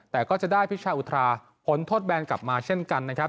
แต่ก็จะได้พิชาอุทราพ้นโทษแบนกลับมาเช่นกันนะครับ